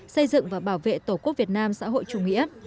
xây dựng và bảo vệ tổ quốc việt nam xã hội chủ nghĩa